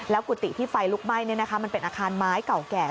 กุฏิที่ไฟลุกไหม้มันเป็นอาคารไม้เก่าแก่